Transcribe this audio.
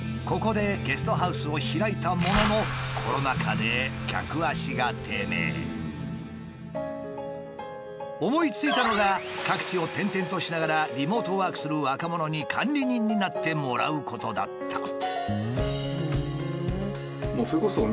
ここでゲストハウスを開いたものの思いついたのが各地を転々としながらリモートワークする若者に管理人になってもらうことだった。